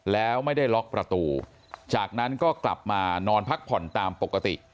แล้วไม่ได้ล็อกประตูจากนั้นก็กลับมานอนพักผ่อนตามปกติ